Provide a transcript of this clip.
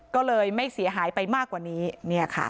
ก็เลยไม่เสียหายไปมากกว่านี้